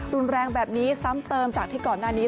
รุนแรงแบบนี้ซ้ำเติมจากที่ก่อนหน้านี้